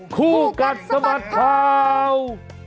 คู่กัดสมัสข่าว